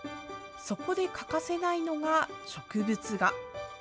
そこで欠かせないのが植物画。